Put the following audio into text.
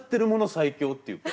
最強っていうか。